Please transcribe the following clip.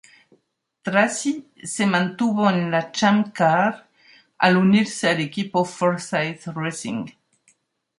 Tracy se mantuvo en la Champ Car al unirse al equipo Forsythe Racing.